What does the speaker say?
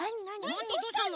どうしたの？